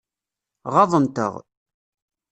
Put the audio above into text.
Ɣaḍent-aɣ.